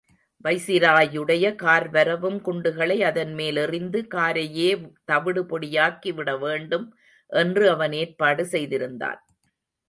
வைசிராயுடைய கார்வரவும் குண்டுகளை அதன்மேல் எறிந்து காரையே தவிடு பொடியாக்கி விடவேண்டும் என்று அவன் ஏற்பாடு செய்திருந்தான்.